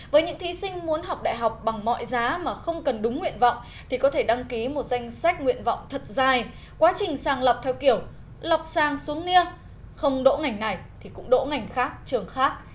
với những thí sinh muốn học đại học bằng mọi giá mà không cần đúng nguyện vọng thì có thể đăng ký một danh sách nguyện vọng thật dài quá trình sàng lọc theo kiểu lọc sang xuống nia không đỗ ngành này thì cũng đỗ ngành khác trường khác